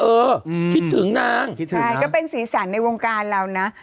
เออคิดถึงนางคิดถึงนะก็เป็นศีรษะในวงการเรานะ